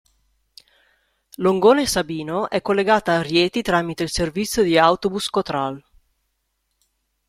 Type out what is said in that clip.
Longone Sabino è collegata a Rieti tramite il servizio di Autobus Cotral.